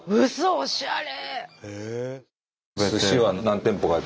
おしゃれ！